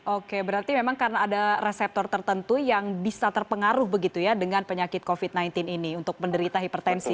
oke berarti memang karena ada reseptor tertentu yang bisa terpengaruh begitu ya dengan penyakit covid sembilan belas ini untuk menderita hipertensi